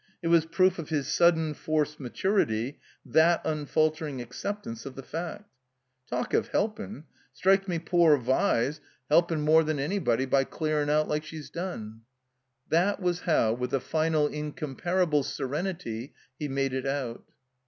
It was proof of his sudden, forced maturity, that unfaltering accept ance of the fact. "Talk of helpin'! Strikes me poor Vi's helpin' 27S THE COMBINED MAZE more than anybody, by clearin' out like she's done.*' That was how, with a final incomparable serenity, he made it out.